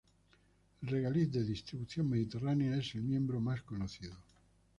El regaliz de distribución mediterránea es el miembro más conocido.